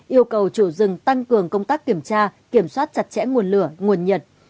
yêu cầu chủ rừng tăng cường công tác kiểm tra kiểm soát chặt chẽ nguồn lửa nguồn nhiệt